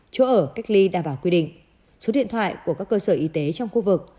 chỗ ở cách ly đảm bảo quy định số điện thoại của các cơ sở y tế trong khu vực